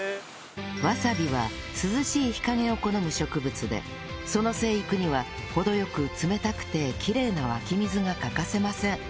わさびは涼しい日陰を好む植物でその生育には程良く冷たくてきれいな湧き水が欠かせません